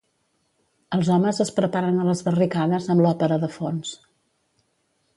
Els homes es preparen a les barricades, amb l'Òpera de fons.